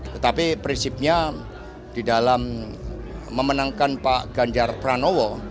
tetapi prinsipnya di dalam memenangkan pak ganjar pranowo